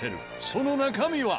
その中身は？